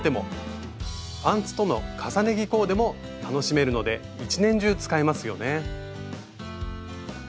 パンツとの重ね着コーデも楽しめるので一年中使えますよね。